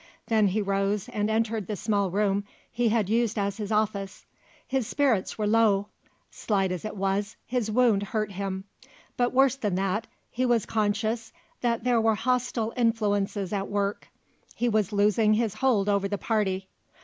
Then he rose and entered the small room he had used as his office. His spirits were low. Slight as it was, his wound hurt him; but worse than that, he was conscious that there were hostile influences at work; he was losing his hold over the Party.